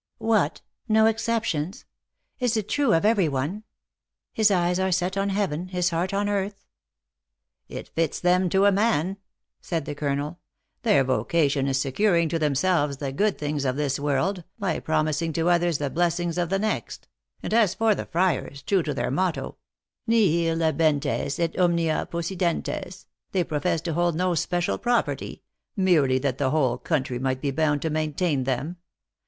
" What ! No exceptions ? Is it true of every one His eyes are set on heaven, his heart on earth? "" It fits them to a man !" said the colonel. " Their vocation is securing to themselves the good things of this world, by promising to others the blessings of the next : and as for the friars, true to their motto, Nihil habentes et omnia possidentes, they profess to hold no special property, merely that the whole country might be bound to maintain them.